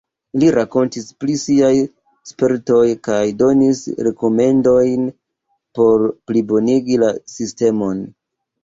Ili rakontis pri siaj spertoj kaj donis rekomendojn por plibonigi la sistemon.